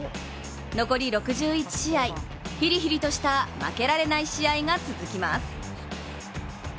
残り６１試合、ヒリヒリとした負けられない試合が続きます。